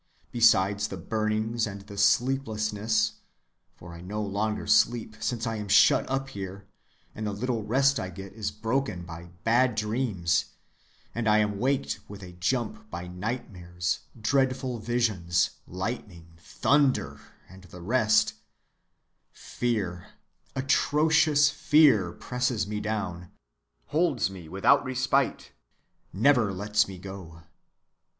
Besides the burnings and the sleeplessness (for I no longer sleep since I am shut up here, and the little rest I get is broken by bad dreams, and I am waked with a jump by nightmares, dreadful visions, lightning, thunder, and the rest), fear, atrocious fear, presses me down, holds me without respite, never lets me go.